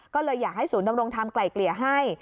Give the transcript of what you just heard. ก็เลยอยากให้ศูนย์ดำรงธรรมไกลเกลี่ยให้